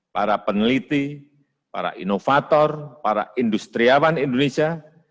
para peneliti para inovator para industriawan indonesia